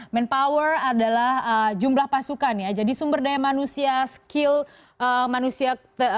manpower adalah jumlah pasukan ya jadi sumber daya manusia skill manusia